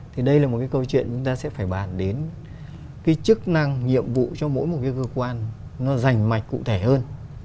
thì đây là một cái câu chuyện chúng ta sẽ phải bàn đến cái chức năng nhiệm vụ cho mỗi một cái cơ quan nó rành mạch cụ thể hơn